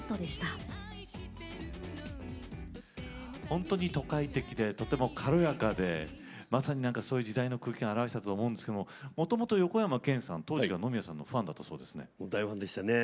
本当に都会的でとても軽やかでまさにそういう時代の空気感を表していたと思うんですけどももともと横山剣さん当時から野宮さんのファンだったそうですね。